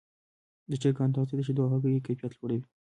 د چرګانو تغذیه د شیدو او هګیو کیفیت لوړوي.